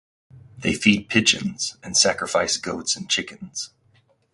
They feed pigeons and sacrifice goats and chickens.